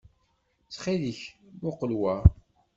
Ttxil-k, muqel wa.